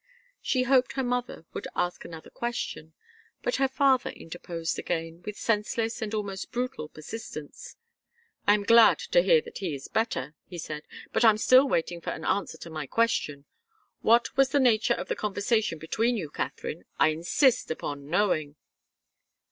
She hoped her mother would ask another question, but her father interposed again, with senseless and almost brutal persistence. "I'm glad to hear that he is better," he said. "But I'm still waiting for an answer to my question. What was the nature of the conversation between you, Katharine? I insist upon knowing."